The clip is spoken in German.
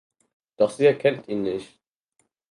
Doch sie erkennt ihn nicht.